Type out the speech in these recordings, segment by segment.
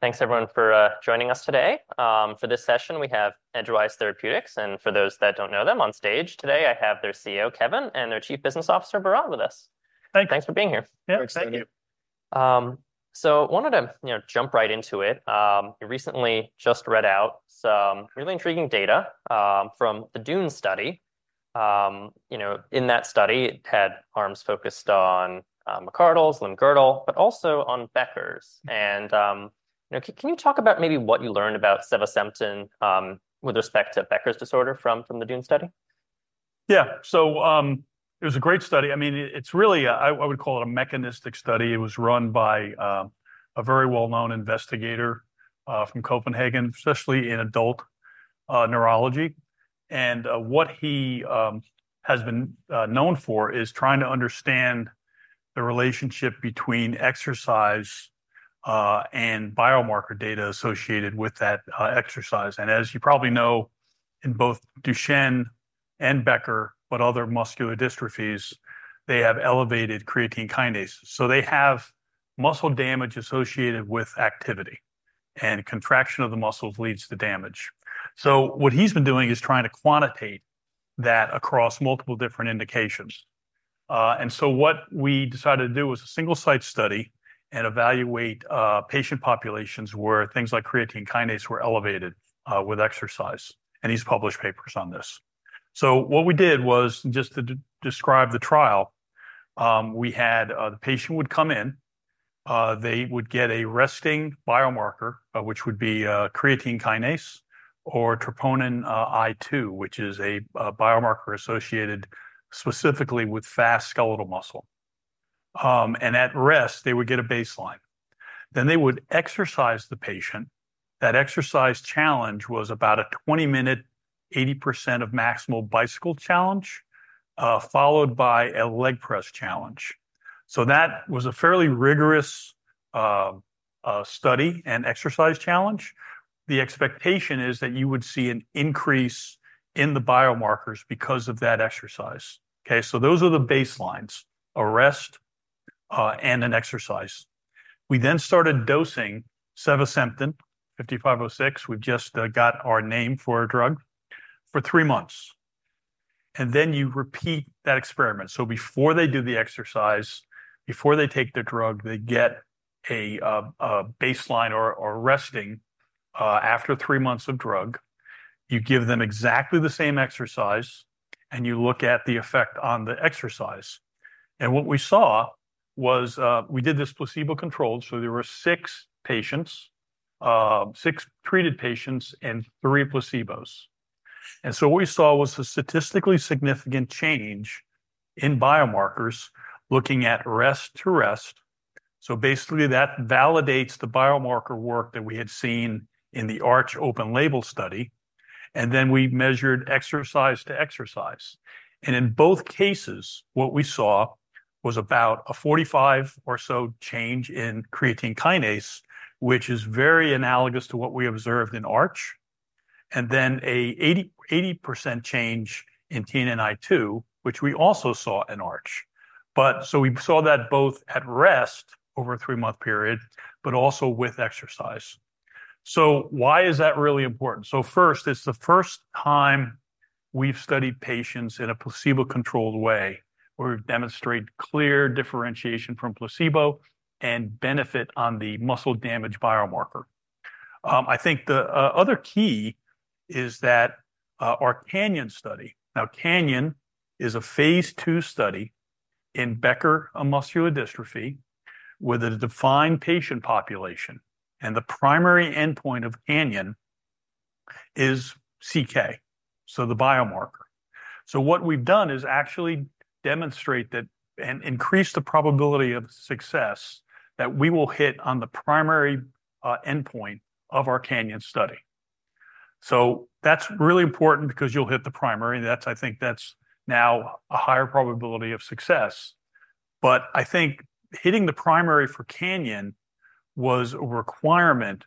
Thanks, everyone, for joining us today. For this session, we have Edgewise Therapeutics, and for those that don't know them, on stage today, I have their CEO, Kevin, and their Chief Business Officer, Behrad with us. Thank you. Thanks for being here. Yeah, thank you. So wanted to, you know, jump right into it. You recently just read out some really intriguing data from the DUNE study. You know, in that study, it had arms focused on McArdle's, limb-girdle, but also on Becker's. And, you know, can you talk about maybe what you learned about sevasemten with respect to Becker's disorder from the DUNE study? Yeah. So, it was a great study. I mean, it's really... I, I would call it a mechanistic study. It was run by a very well-known investigator from Copenhagen, especially in adult neurology. And what he has been known for is trying to understand the relationship between exercise and biomarker data associated with that exercise. And as you probably know, in both Duchenne and Becker, but other muscular dystrophies, they have elevated creatine kinase. So they have muscle damage associated with activity, and contraction of the muscles leads to damage. So what he's been doing is trying to quantitate that across multiple different indications. And so what we decided to do was a single-site study and evaluate patient populations where things like creatine kinase were elevated with exercise. And he's published papers on this. So what we did was, just to describe the trial, we had the patient would come in, they would get a resting biomarker, which would be creatine kinase or troponin I-2, which is a biomarker associated specifically with fast skeletal muscle. And at rest, they would get a baseline. Then they would exercise the patient. That exercise challenge was about a 20-minute, 80% of maximal bicycle challenge, followed by a leg press challenge. So that was a fairly rigorous study and exercise challenge. The expectation is that you would see an increase in the biomarkers because of that exercise. Okay, so those are the baselines: a rest and an exercise. We then started dosing sevasemten 5506, we've just got our name for a drug, for three months. And then you repeat that experiment. So before they do the exercise, before they take the drug, they get a baseline or resting after 3 months of drug, you give them exactly the same exercise, and you look at the effect on the exercise. And what we saw was... We did this placebo-controlled, so there were 6 patients, 6 treated patients and 3 placebos. And so what we saw was a statistically significant change in biomarkers looking at rest to rest. So basically, that validates the biomarker work that we had seen in the ARCH open-label study, and then we measured exercise to exercise. And in both cases, what we saw was about a 45 or so change in creatine kinase, which is very analogous to what we observed in ARCH, and then an 80, 80% change in TNNI2, which we also saw in ARCH. So we saw that both at rest over a three-month period, but also with exercise. So why is that really important? So first, it's the first time we've studied patients in a placebo-controlled way, where we've demonstrated clear differentiation from placebo and benefit on the muscle damage biomarker. I think the other key is that our CANYON study. Now, CANYON is a phase II study in Becker muscular dystrophy with a defined patient population, and the primary endpoint of CANYON is CK, so the biomarker. So what we've done is actually demonstrate that, and increase the probability of success, that we will hit on the primary endpoint of our CANYON study. So that's really important because you'll hit the primary, and that's—I think that's now a higher probability of success. But I think hitting the primary for CANYON was a requirement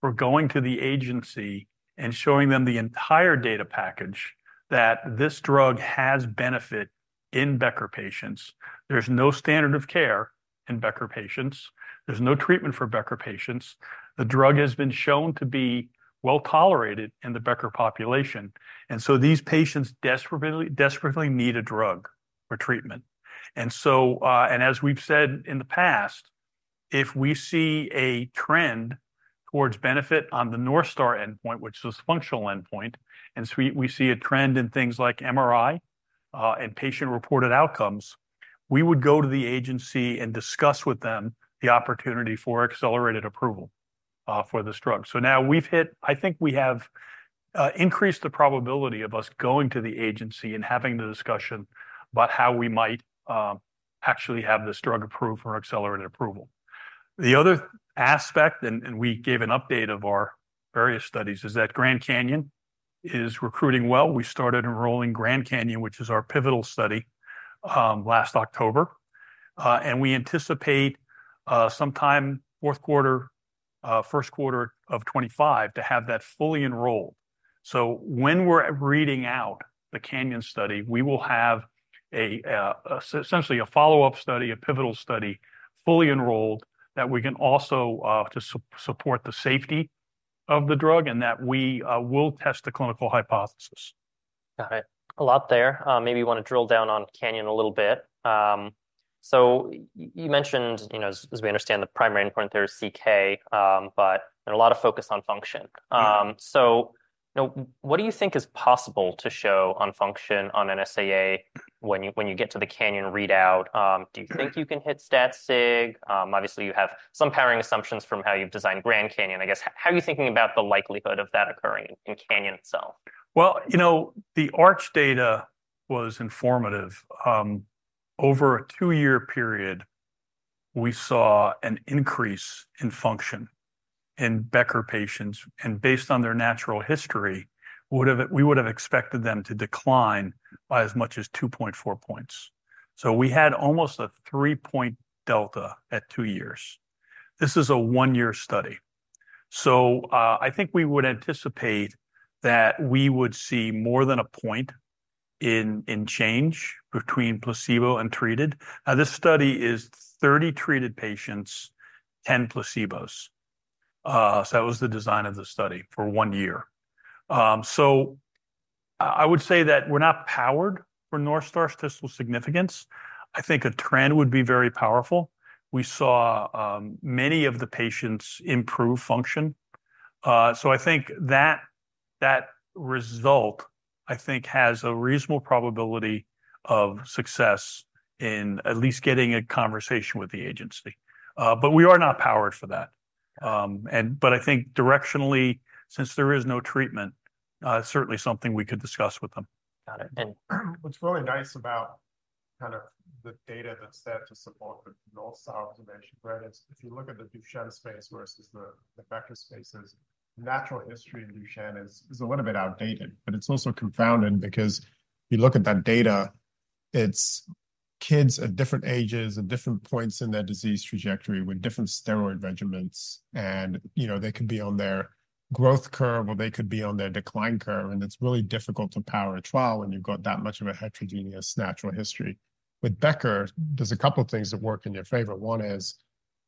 for going to the agency and showing them the entire data package that this drug has benefit in Becker patients. There's no standard of care in Becker patients. There's no treatment for Becker patients. The drug has been shown to be well-tolerated in the Becker population, and so these patients desperately, desperately need a drug or treatment. And so, and as we've said in the past, if we see a trend towards benefit on the North Star endpoint, which is a functional endpoint, and we see a trend in things like MRI, and patient-reported outcomes, we would go to the agency and discuss with them the opportunity for accelerated approval, for this drug. So now we've hit. I think we have increased the probability of us going to the agency and having the discussion about how we might actually have this drug approved for accelerated approval. The other aspect, we gave an update of our various studies, is that GRAND CANYON is recruiting well. We started enrolling GRAND CANYON, which is our pivotal study, last October, and we anticipate sometime fourth quarter, first quarter of 2025 to have that fully enrolled. So when we're reading out the CANYON study, we will have essentially a follow-up study, a pivotal study, fully enrolled, that we can also to support the safety of the drug, and that we will test the clinical hypothesis. Got it. A lot there. Maybe you wanna drill down on CANYON a little bit. So you mentioned, you know, as, as we understand, the primary endpoint there is CK, but there are a lot of focus on function. So, now, what do you think is possible to show on function on an SAA when you, when you get to the CANYON readout? Do you think you can hit stat sig? Obviously, you have some powering assumptions from how you've designed GRAND CANYON. I guess, how are you thinking about the likelihood of that occurring in CANYON itself? Well, you know, the ARCH data was informative. Over a 2-year period, we saw an increase in function in Becker patients, and based on their natural history, we would have expected them to decline by as much as 2.4 points. So we had almost a 3-point delta at 2 years. This is a 1-year study. So, I think we would anticipate that we would see more than a point in change between placebo and treated. This study is 30 treated patients, 10 placebos. So that was the design of the study for 1 year. So I would say that we're not powered for North Star statistical significance. I think a trend would be very powerful. We saw many of the patients improve function. So I think that that result, I think, has a reasonable probability of success in at least getting a conversation with the agency. But we are not powered for that. But I think directionally, since there is no treatment, it's certainly something we could discuss with them. Got it. And what's really nice about kind of the data that's there to support the North Star observation, right? It's if you look at the Duchenne space versus the Becker space, natural history in Duchenne is a little bit outdated, but it's also confounding because you look at that data, it's kids at different ages and different points in their disease trajectory with different steroid regimens, and, you know, they could be on their growth curve, or they could be on their decline curve, and it's really difficult to power a trial when you've got that much of a heterogeneous natural history. With Becker, there's a couple of things that work in your favor. One is,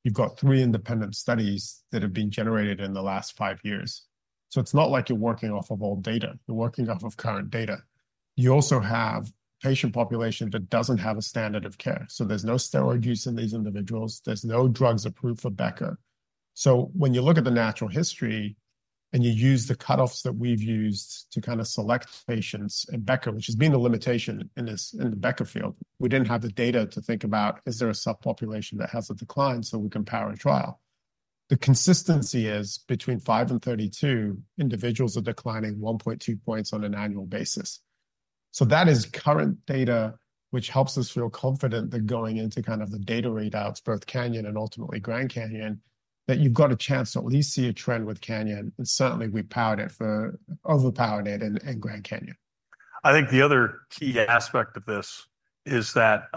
you've got three independent studies that have been generated in the last five years, so it's not like you're working off of old data, you're working off of current data. You also have a patient population that doesn't have a standard of care, so there's no steroid use in these individuals, there's no drugs approved for Becker. So when you look at the natural history and you use the cutoffs that we've used to kind of select patients in Becker, which has been a limitation in this, in the Becker field, we didn't have the data to think about, is there a subpopulation that has a decline so we can power a trial? The consistency is between 5 and 32 individuals are declining 1.2 points on an annual basis. So that is current data, which helps us feel confident that going into kind of the data readouts, both CANYON and ultimately GRAND CANYON, that you've got a chance to at least see a trend with CANYON, and certainly we powered it for—overpowered it in, in GRAND CANYON. I think the other key aspect of this is that,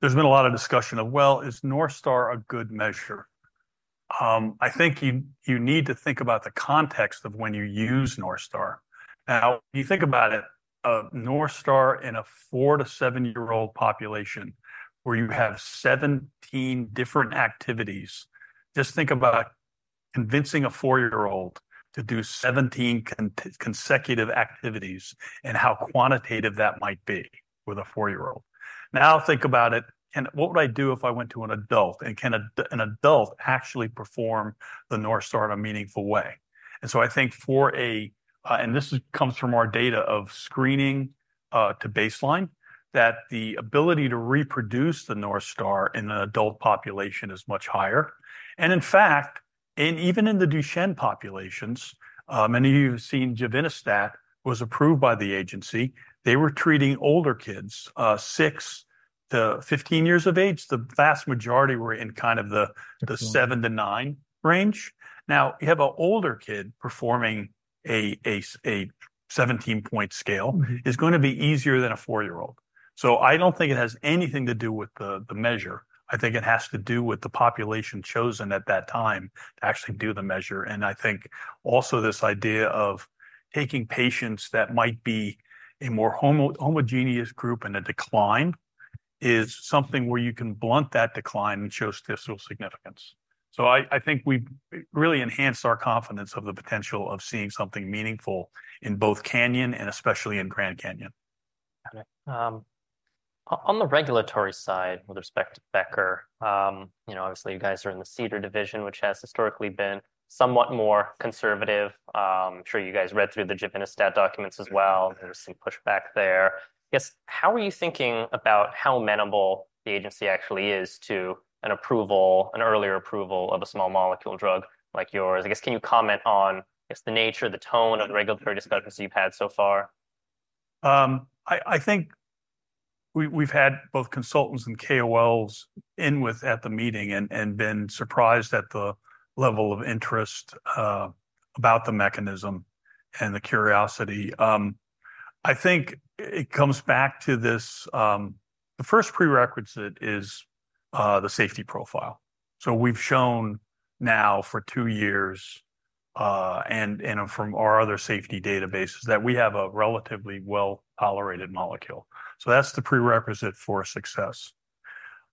there's been a lot of discussion of, Well, is North Star a good measure? I think you need to think about the context of when you use North Star. Now, you think about it, a North Star in a 4- to 7-year-old population where you have 17 different activities, just think about convincing a 4-year-old to do 17 consecutive activities and how quantitative that might be with a 4-year-old. Now, think about it, and what would I do if I went to an adult? And can an adult actually perform the North Star in a meaningful way? And so I think for a, and this comes from our data of screening to baseline, that the ability to reproduce the North Star in the adult population is much higher. In fact, even in the Duchenne populations, many of you have seen givinostat was approved by the agency. They were treating older kids, 6-15 years of age. The vast majority were in kind of the 7-9 range. Now, you have an older kid performing a 17-point scale, is gonna be easier than a four-year-old. So I don't think it has anything to do with the measure. I think it has to do with the population chosen at that time to actually do the measure. And I think also this idea of taking patients that might be a more homogeneous group in a decline, is something where you can blunt that decline and show statistical significance. So I think we've really enhanced our confidence of the potential of seeing something meaningful in both CANYON and especially in GRAND CANYON. Got it. On the regulatory side, with respect to Becker, you know, obviously, you guys are in the CDER division, which has historically been somewhat more conservative. I'm sure you guys read through the givinostat documents as well. There's some pushback there. I guess, how are you thinking about how amenable the agency actually is to an approval, an earlier approval of a small molecule drug like yours? I guess, can you comment on, I guess, the nature, the tone of the regulatory discussions you've had so far? I think we've had both consultants and KOLs in with at the meeting and been surprised at the level of interest about the mechanism and the curiosity. I think it comes back to this, the first prerequisite is the safety profile. So we've shown now for two years and from our other safety databases that we have a relatively well-tolerated molecule. So that's the prerequisite for success.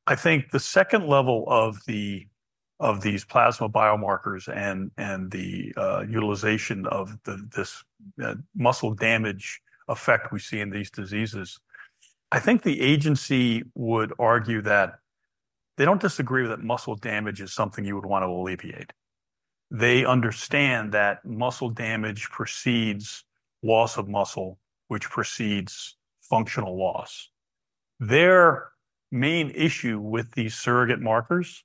I think the second level of these plasma biomarkers and the utilization of this muscle damage effect we see in these diseases. I think the agency would argue that they don't disagree that muscle damage is something you would want to alleviate. They understand that muscle damage precedes loss of muscle, which precedes functional loss. Their main issue with these surrogate markers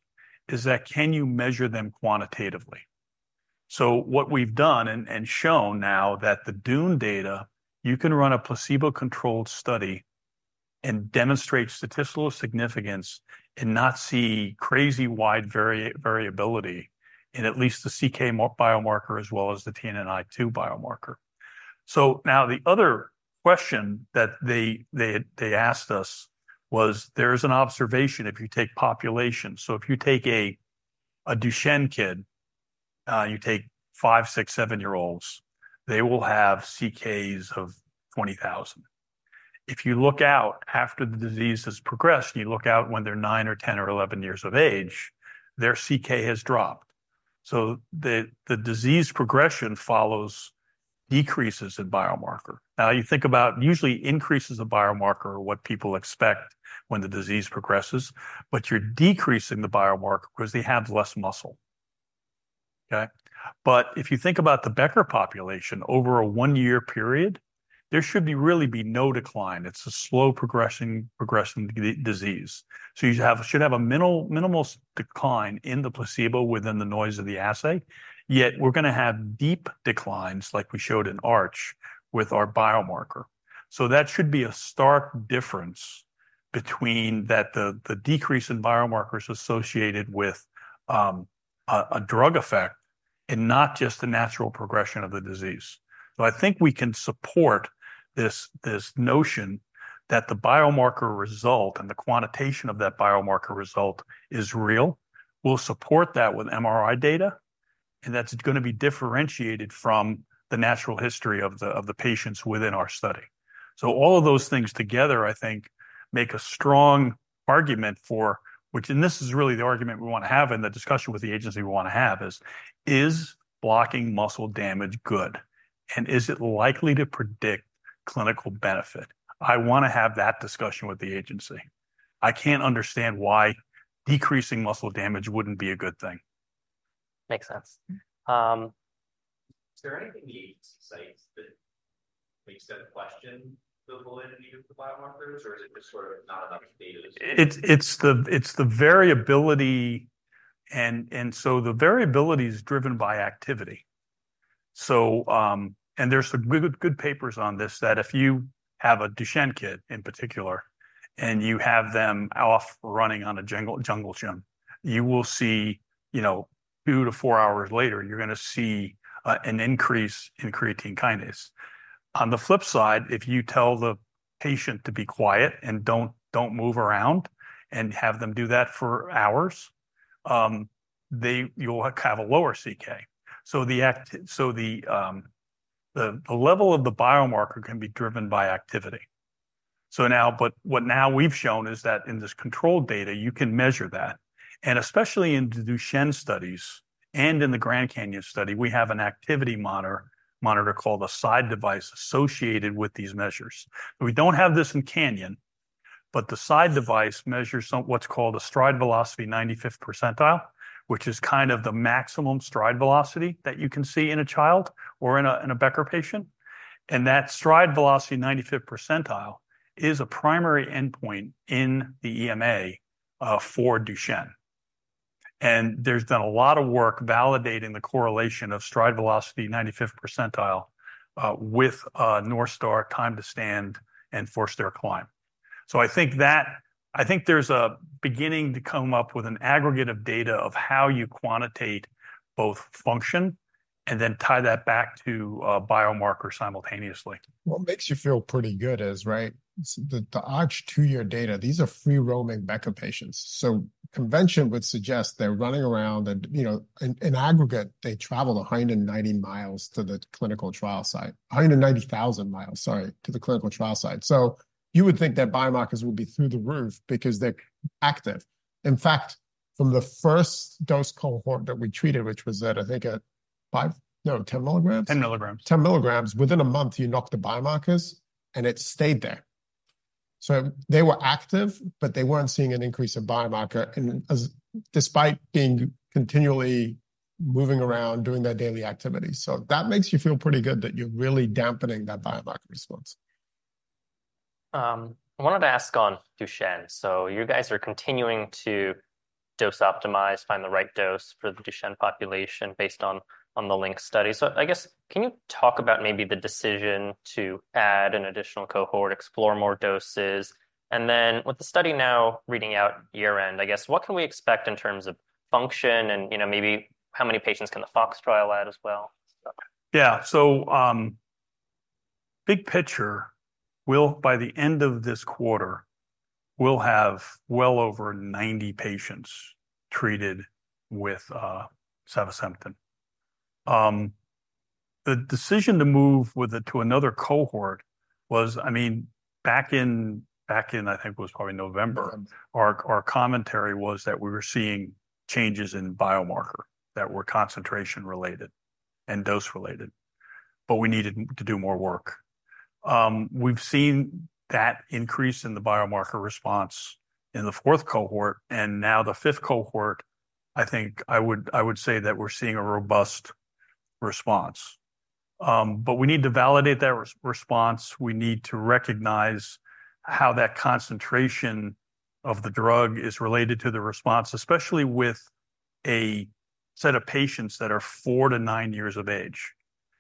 is that can you measure them quantitatively? So what we've done and shown now that the DUNE data, you can run a placebo-controlled study and demonstrate statistical significance and not see crazy wide variability in at least the CK biomarker as well as the TNNI2 biomarker. So now the other question that they asked us was, there's an observation if you take populations. So if you take a Duchenne kid, you take five, six, seven-year-olds, they will have CKs of 20,000. If you look out after the disease has progressed, you look out when they're nine or 10 or 11 years of age, their CK has dropped. So the disease progression follows decreases in biomarker. Now, you think about usually increases in biomarker are what people expect when the disease progresses, but you're decreasing the biomarker because they have less muscle, okay? But if you think about the Becker population over a one-year period, there should really be no decline. It's a slow progressing disease. So you should have a minimal decline in the placebo within the noise of the assay, yet we're going to have deep declines, like we showed in ARCH, with our biomarker. So that should be a stark difference between the decrease in biomarkers associated with a drug effect and not just the natural progression of the disease. So I think we can support this notion that the biomarker result and the quantitation of that biomarker result is real. We'll support that with MRI data, and that's going to be differentiated from the natural history of the patients within our study. So all of those things together, I think, make a strong argument for—which, and this is really the argument we want to have, and the discussion with the agency we want to have is: Is blocking muscle damage good, and is it likely to predict clinical benefit? I want to have that discussion with the agency. I can't understand why decreasing muscle damage wouldn't be a good thing. Makes sense. Is there anything the agency cites that makes them question the validity of the biomarkers, or is it just sort of not enough data? It's the variability, and so the variability is driven by activity. So, and there's some good papers on this, that if you have a Duchenne kid, in particular, and you have them off running on a jungle gym, you will see, you know, 2-4 hours later, you're gonna see an increase in creatine kinase. On the flip side, if you tell the patient to be quiet and don't move around and have them do that for hours, you'll have a lower CK. So the level of the biomarker can be driven by activity. Now we've shown is that in this controlled data, you can measure that, and especially in the Duchenne studies and in the GRAND CANYON study, we have an activity monitor called a Syde device associated with these measures. We don't have this in CANYON, but the Syde device measures what's called a stride velocity 95th percentile, which is kind of the maximum stride velocity that you can see in a child or in a Becker patient. And that stride velocity 95th percentile is a primary endpoint in the EMA for Duchenne. And there's been a lot of work validating the correlation of stride velocity 95th percentile with North Star time to stand and four-stair climb. I think there's a beginning to come up with an aggregate of data of how you quantitate both function and then tie that back to a biomarker simultaneously. What makes you feel pretty good is, right, the ARCH two-year data. These are free-roaming Becker patients. So convention would suggest they're running around and, you know, in aggregate, they travel 190 miles to the clinical trial site. 190,000 mi, sorry, to the clinical trial site. So you would think that biomarkers would be through the roof because they're active. In fact, from the first dose cohort that we treated, which was at, I think, at 5, no, 10 mg? 10mg. 10 mg. Within a month, you knocked the biomarkers, and it stayed there. So they were active, but they weren't seeing an increase in biomarker despite being continually moving around, doing their daily activities. So that makes you feel pretty good that you're really dampening that biomarker response. I wanted to ask on Duchenne. So you guys are continuing to dose optimize, find the right dose for the Duchenne population based on the LYNX study. So I guess, can you talk about maybe the decision to add an additional cohort, explore more doses? And then with the study now reading out year-end, I guess, what can we expect in terms of function, and, you know, maybe how many patients can the FOX trial add as well? Yeah. So, big picture, we'll, by the end of this quarter, we'll have well over 90 patients treated with sevasemten. The decision to move with it to another cohort was—I mean, back in, back in, I think it was probably November, our, our commentary was that we were seeing changes in biomarker that were concentration-related and dose-related, but we needed to do more work. We've seen that increase in the biomarker response in the fourth cohort, and now the fifth cohort, I think I would, I would say that we're seeing a robust response. But we need to validate that response. We need to recognize how that concentration of the drug is related to the response, especially with a set of patients that are four to nine years of age.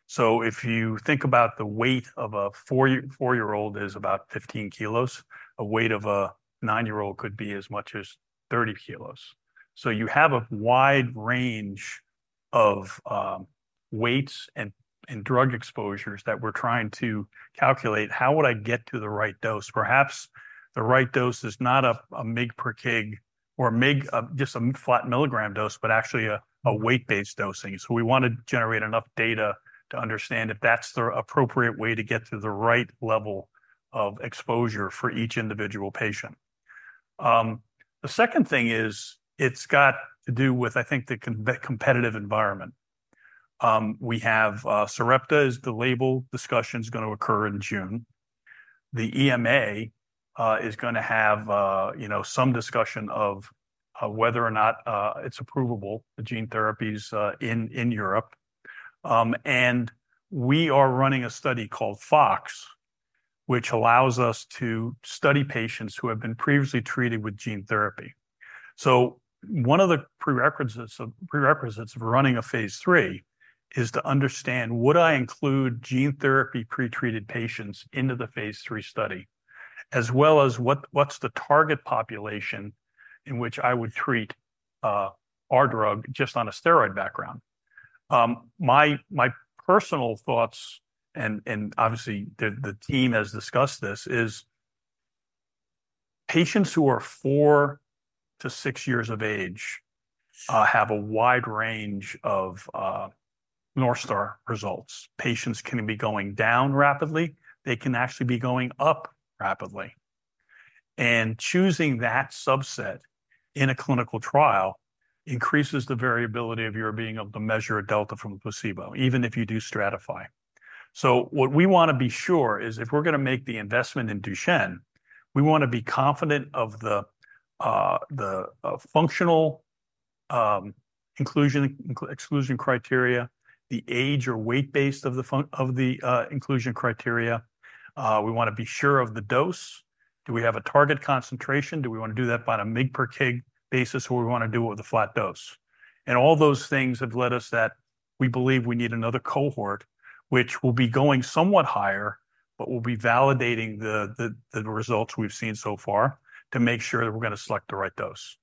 So if you think about the weight of a four-year-old is about 15 kg, a weight of a nine-year-old could be as much as 30 kg. So you have a wide range of weights and drug exposures that we're trying to calculate. How would I get to the right dose? Perhaps the right dose is not a mg per kg or mg just a flat milligram dose, but actually a weight-based dosing. So we want to generate enough data to understand if that's the appropriate way to get to the right level of exposure for each individual patient. The second thing is, it's got to do with, I think, the competitive environment. We have, Sarepta is the label discussion's gonna occur in June. The EMA is gonna have, you know, some discussion of whether or not it's approvable, the gene therapies in Europe. And we are running a study called FOX, which allows us to study patients who have been previously treated with gene therapy. So one of the prerequisites of running a phase III is to understand, would I include gene therapy pretreated patients into the phase III study? As well as what's the target population in which I would treat our drug just on a steroid background. My personal thoughts, and obviously the team has discussed this, is patients who are four to six years of age have a wide range of North Star results. Patients can be going down rapidly, they can actually be going up rapidly. Choosing that subset in a clinical trial increases the variability of your being able to measure a delta from a placebo, even if you do stratify. What we want to be sure is, if we're gonna make the investment in Duchenne, we want to be confident of the functional inclusion exclusion criteria, the age or weight-based of the inclusion criteria. We want to be sure of the dose. Do we have a target concentration? Do we want to do that by a mg per kg basis, or we want to do it with a flat dose? All those things have led us that we believe we need another cohort, which will be going somewhat higher, but we'll be validating the results we've seen so far to make sure that we're gonna select the right dose.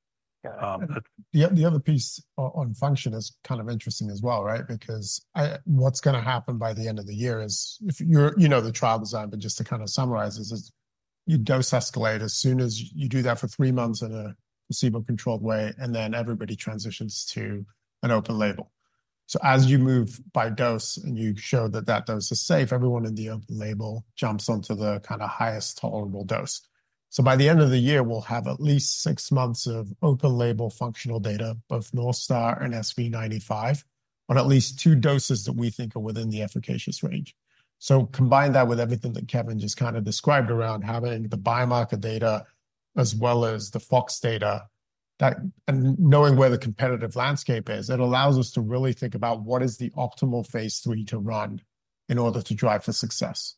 The other piece on function is kind of interesting as well, right? Because what's gonna happen by the end of the year is if you're... You know, the trial design, but just to kind of summarize is you dose escalate as soon as you do that for three months in a placebo-controlled way, and then everybody transitions to an open-label. So as you move by dose and you show that that dose is safe, everyone in the open-label jumps onto the kind of highest tolerable dose. So by the end of the year, we'll have at least six months of open-label functional data, both North Star and SV 95, on at least two doses that we think are within the efficacious range. So combine that with everything that Kevin just kind of described around having the biomarker data as well as the FOX data, that and knowing where the competitive landscape is, it allows us to really think about what is the optimal phase III to run in order to drive for success.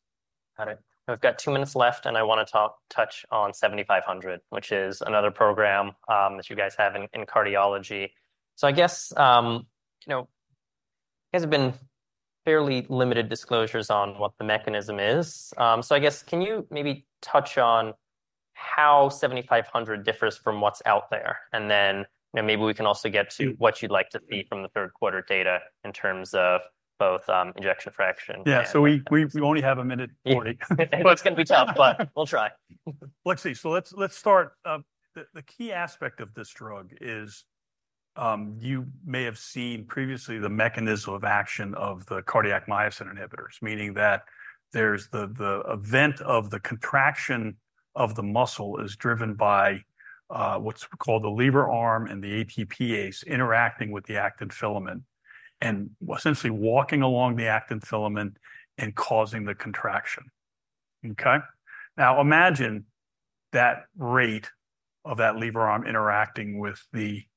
Got it. We've got 2 minutes left, and I want to touch on 7500, which is another program that you guys have in cardiology. So I guess, you know, there's been fairly limited disclosures on what the mechanism is. So I guess, can you maybe touch on how 7500 differs from what's out there? And then, you know, maybe we can also get to what you'd like to see from the third quarter data in terms of both, ejection fraction- Yeah, so we only have one minute 40. It's gonna be tough, but we'll try. Let's see. So let's start. The key aspect of this drug is, you may have seen previously the mechanism of action of the cardiac myosin inhibitors, meaning that there's the event of the contraction of the muscle is driven by what's called the lever arm and the ATPase interacting with the actin filament, and essentially walking along the actin filament and causing the contraction. Okay? Now, imagine that rate of that lever arm interacting with the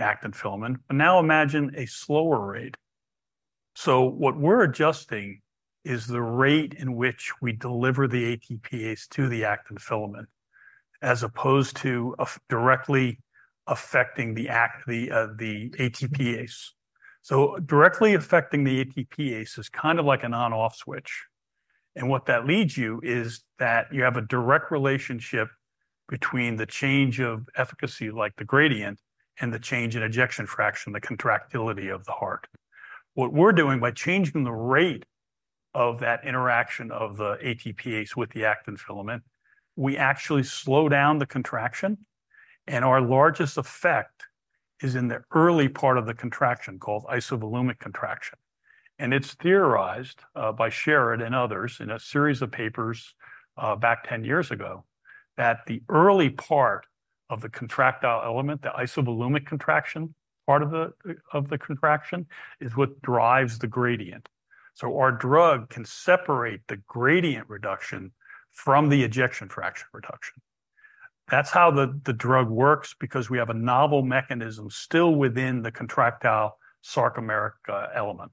actin filament, but now imagine a slower rate. So what we're adjusting is the rate in which we deliver the ATPase to the actin filament, as opposed to directly affecting the ATPase. So directly affecting the ATPase is kind of like an on/off switch. What that leads you is that you have a direct relationship between the change of efficacy, like the gradient, and the change in ejection fraction, the contractility of the heart. What we're doing by changing the rate of that interaction of the ATPase with the actin filament, we actually slow down the contraction, and our largest effect is in the early part of the contraction, called isovolumic contraction. And it's theorized by Sherrid and others in a series of papers back 10 years ago, that the early part of the contractile element, the isovolumic contraction, part of the contraction, is what drives the gradient. So our drug can separate the gradient reduction from the ejection fraction reduction. That's how the drug works, because we have a novel mechanism still within the contractile sarcomeric element.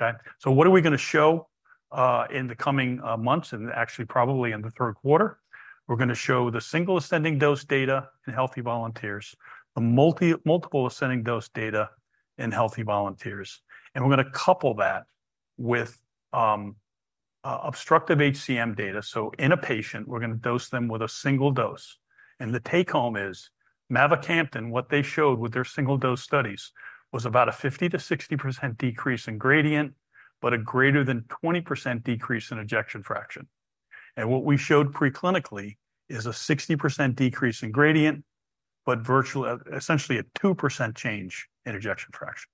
Okay, so what are we going to show in the coming months and actually probably in the third quarter? We're going to show the single ascending dose data in healthy volunteers, the multiple ascending dose data in healthy volunteers. And we're going to couple that with obstructive HCM data. So in a patient, we're going to dose them with a single dose. And the take home is mavacamten, what they showed with their single dose studies was about a 50%-60% decrease in gradient, but a greater than 20% decrease in ejection fraction. And what we showed preclinically is a 60% decrease in gradient, but virtually essentially a 2% change in ejection fraction.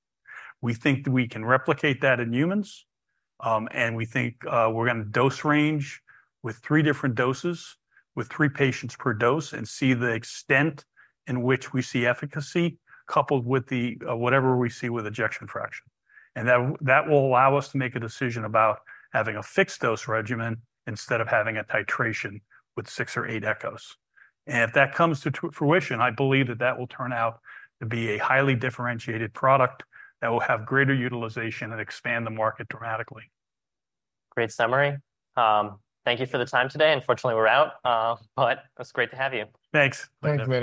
We think that we can replicate that in humans, and we think, we're going to dose range with three different doses, with three patients per dose, and see the extent in which we see efficacy, coupled with the, whatever we see with ejection fraction. And that, that will allow us to make a decision about having a fixed dose regimen instead of having a titration with six or eight echoes. And if that comes to fruition, I believe that that will turn out to be a highly differentiated product that will have greater utilization and expand the market dramatically. Great summary. Thank you for the time today. Unfortunately, we're out, but it's great to have you. Thanks. Thanks, Mitch.